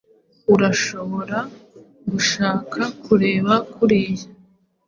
Urashobora gushaka kureba kuriyi.